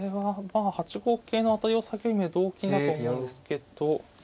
まあ８五桂の当たりを避けるには同金だと思うんですけど。